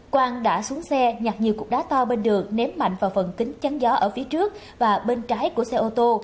quang đã xuống xe nhặt nhiều cục đá to bên đường ném mạnh vào phần kính chắn gió ở phía trước và bên trái của xe ô tô